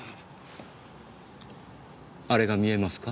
あれが見えますか？